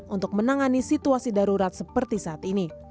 untuk menangani situasi darurat seperti saat ini